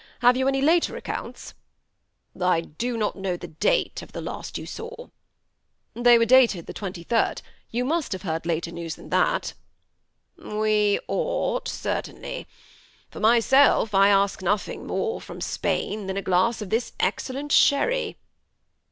Have you any later accounts ?"" I do not know the date of the last you saw." ^'They were dated the 23d; you must have heard later news than that." ''We ought, certainly. For myself, I ask nodiing more from Spain than a glass of this excellent sherry."